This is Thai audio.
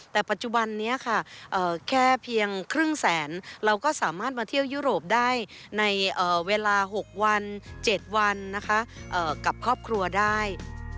แต่ปัจจุบันนี้ค่ะแค่เพียงครึ่งแสนเราก็สามารถมาเที่ยวยุโรปได้ในเวลา๖วัน๗วันนะคะกับครอบครัวได้